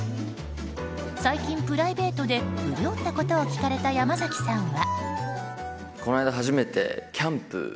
最近、プライベートで潤ったことを聞かれた山崎さんは。